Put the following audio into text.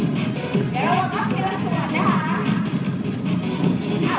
เดี๋ยวเราวางอัพของไหล่ส่วนนะคะ